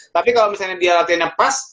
tapi kalau misalnya dia latihannya pas